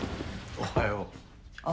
おはよう。